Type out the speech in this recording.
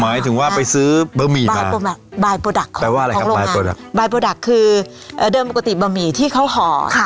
หมายถึงว่าไปซื้อบะหมี่มาบายโปรดักต์บายโปรดักต์คือเดิมปกติบะหมี่ที่เขาห่อค่ะ